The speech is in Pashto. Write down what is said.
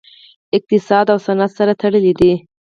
اقتصاد او صنعت سره تړلي دي